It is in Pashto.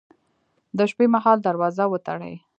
د شپې مهال دروازه وتړئ